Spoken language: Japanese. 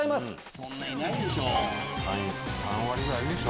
そんないないでしょ。